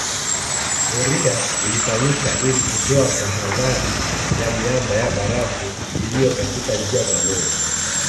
Doria ilifanyika ili kutoa tahadhari ya miamba ya barafu iliyo katika njia za meli